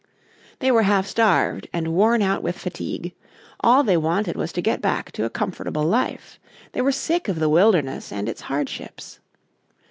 They were half starved and worn out with fatigue; all they wanted was to get back to a comfortable life. They were sick of the wilderness and its hardships.